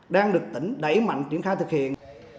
đang được tỉnh đẩy mạnh triển khai thực hiện